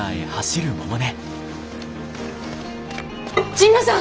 神野さん！